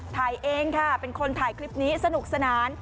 ถ่ายเองค่ะเป็นคนถ่ายคลิปนี้สนุกสนาน